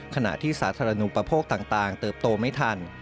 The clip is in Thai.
ขณะที่สาธารณูปโภคต่างเติบโตไม่ทัน